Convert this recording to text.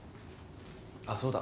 あっそうだ。